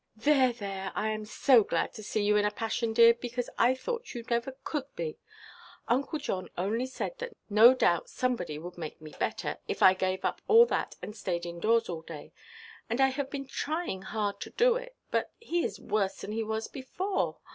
"There, there, I am so glad to see you in a passion, dear; because I thought you never could be. Uncle John only said that no doubt somebody would like me better, if I gave up all that, and stayed in–doors all day. And I have been trying hard to do it; but he is worse than he was before.